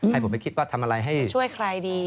ให้ผมไปคิดว่าทำอะไรให้ช่วยใครดี